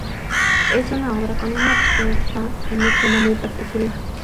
Es una obra con una puesta en escena muy particular.